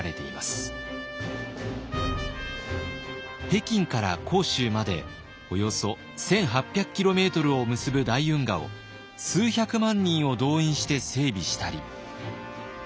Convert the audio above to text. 北京から杭州までおよそ１，８００キロメートルを結ぶ大運河を数百万人を動員して整備したり。